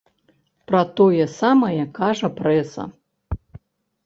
Пра тое самае кажа прэса.